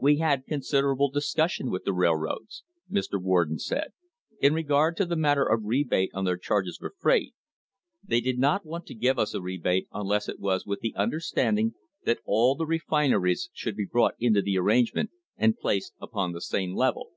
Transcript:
"We had considerable dis cussion with the railroads," Mr. Warden said, "in regard to the matter of rebate on their charges for freight; they did not want to give us a rebate unless it was with the understand ing that all the refineries should be brought into the arrange ment and placed upon the same level."